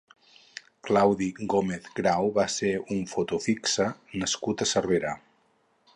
Claudi Gómez Grau va ser un foto fixa nascut a Cervera.